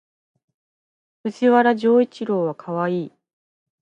藤原丈一郎はかわいい